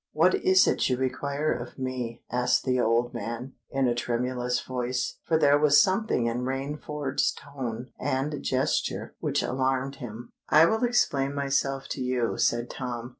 "What is it you require of me?" asked the old man, in a tremulous voice—for there was something in Rainford's tone and gesture which alarmed him. "I will explain myself to you," said Tom.